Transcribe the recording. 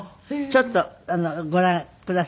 ちょっとご覧ください。